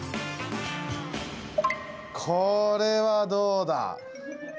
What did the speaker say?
これはどうだ？